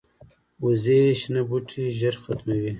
وزې شنه بوټي ژر ختموي